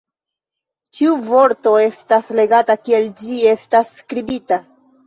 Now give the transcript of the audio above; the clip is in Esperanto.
Ĉiu vorto estas legata, kiel ĝi estas skribita.